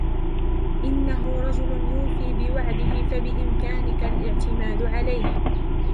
إنه رجل يوفي بوعده ، فبإمكانك الاعتماد عليه.